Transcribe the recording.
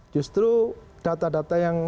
justru data data yang